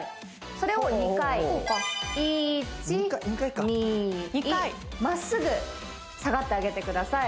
それを２回１２２回か２回まっすぐ下がってあげてください